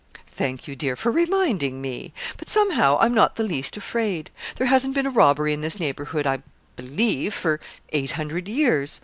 'Thank you, dear, for reminding me. But, somehow, I'm not the least afraid. There hasn't been a robbery in this neighbourhood, I believe, for eight hundred years.